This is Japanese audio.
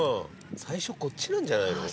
最初こっちなんじゃないの？